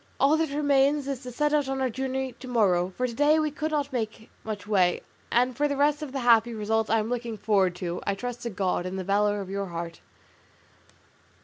All that remains is to set out on our journey to morrow, for to day we could not make much way; and for the rest of the happy result I am looking forward to, I trust to God and the valour of your heart."